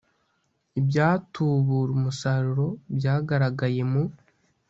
ibyatubura umusaruro byagaragaye mu